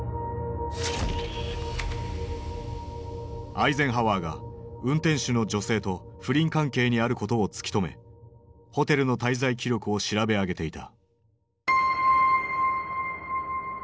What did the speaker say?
アイゼンハワーが運転手の女性と不倫関係にあることを突き止めホテルの滞在記録を調べ上げていた。